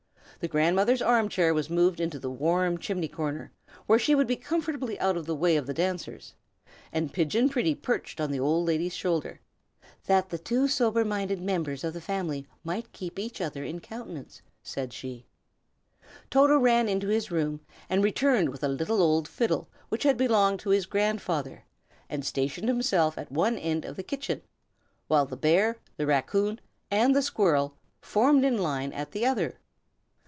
The grandmother's armchair was moved into the warm chimney corner, where she would be comfortably out of the way of the dancers; and Pigeon Pretty perched on the old lady's shoulder, "that the two sober minded members of the family might keep each other in countenance," she said. Toto ran into his room, and returned with a little old fiddle which had belonged to his grandfather, and stationed himself at one end of the kitchen, while the bear, the raccoon, and the squirrel formed in line at the other.